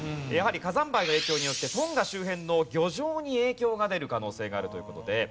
やはり火山灰の影響によってトンガ周辺の漁場に影響が出る可能性があるという事で。